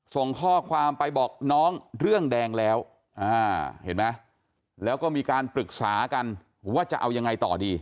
ส่งข้อความไปบอกน้องเรื่องแดงแล้วเห็นไหมแล้วก็มีการปรึกษากันว่าจะเอายังไงต่อดี